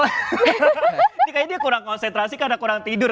ini kayaknya dia kurang konsentrasi karena kurang tidur